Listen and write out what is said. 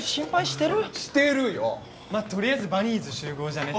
してるよまあとりあえずバニーズ集合じゃね？